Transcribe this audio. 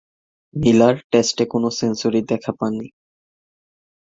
Miller টেস্টে কোন সেঞ্চুরির দেখা পাননি।